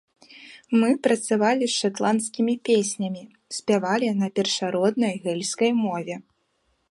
Мы працавалі з шатландскімі песнямі, спявалі на першароднай гэльскай мове.